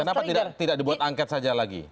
kenapa tidak dibuat angket saja lagi